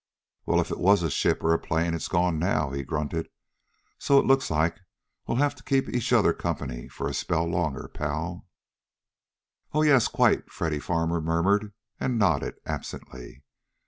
"Well, if it was a ship or a plane, it's gone now," he grunted. "So it looks like we'll have to keep each other company for a spell longer, pal." "Oh, yes, quite," Freddy Farmer murmured, and nodded absently.